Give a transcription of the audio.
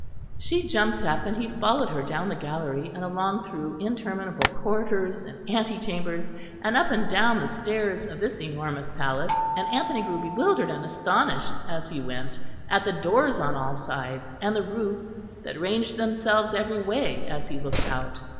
She jumped up, and he followed her down the gallery, and along through interminable corridors and ante chambers, and up and down the stairs of this enormous palace; and Anthony grew bewildered and astonished as he went at the doors on all sides, and the roofs that ranged themselves every way as he looked out.